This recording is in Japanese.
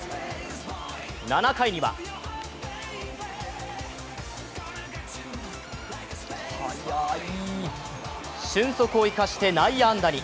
７回には俊足を生かして内野安打に。